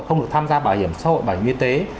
không được tham gia bảo hiểm xã hội bảo hiểm y tế